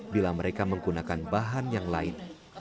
bila mereka menggunakan bahan yang lain